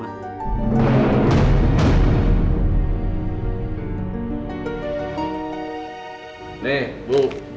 kalau begitu kita sekarang harus lebih hati hati kalau meninggalkan rumah